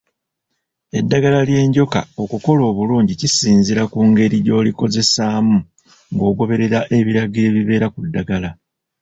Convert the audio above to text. Eddagala ly’enjoka okukola obulungi kisinziira ku ngeri gy’olikozesaamu ng’ogoberera ebiragiro ebibeera ku ddagala.